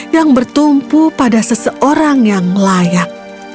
yang bertumpu pada seseorang yang layak